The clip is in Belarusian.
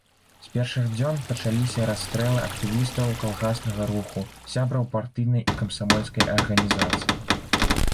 З першых дзён пачаліся расстрэлы актывістаў калгаснага руху, сябраў партыйнай і камсамольскай арганізацыі.